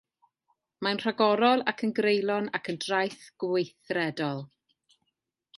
Mae'n rhagorol ac yn greulon ac yn draeth gweithredol.